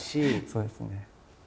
そうですよね。